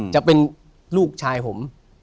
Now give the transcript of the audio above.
จะเป็นลูกชายผม